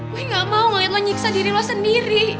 gue gak mau ngeliat lo nyiksa diri lo sendiri